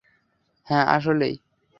হ্যাঁ, আসলেই!